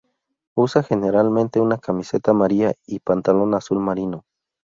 Usa generalmente una camiseta amarilla y pantalón azul marino.